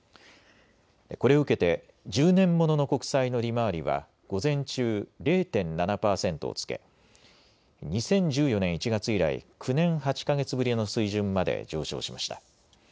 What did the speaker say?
これを受けて１０年ものの国債の利回りは午前中、０．７％をつけ２０１４年１月以来、９年８か月ぶりの水準まで上昇しました。